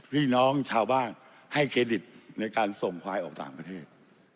พี่น้องชาวบ้านให้เครดิตในการส่งควายออกต่างประเทศ